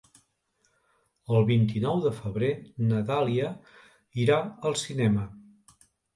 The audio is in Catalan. El vint-i-nou de febrer na Dàlia irà al cinema.